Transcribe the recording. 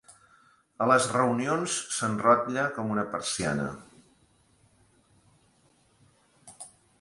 A les reunions, s'enrotlla com una persiana.